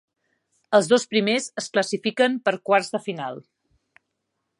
Els dos primers es classifiquen per quarts de final.